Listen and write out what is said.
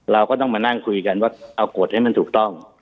เราก็ต้องมานั่งคุยกันว่าเอากฎให้มันถูกต้อง